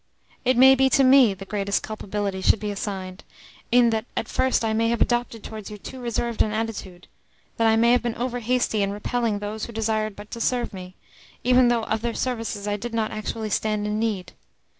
It may be to ME the greatest culpability should be assigned, in that at first I may have adopted towards you too reserved an attitude, that I may have been over hasty in repelling those who desired but to serve me, even though of their services I did not actually stand in need.